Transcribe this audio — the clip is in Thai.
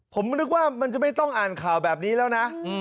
ผมนึกว่ามันจะไม่ต้องอ่านข่าวแบบนี้แล้วนะ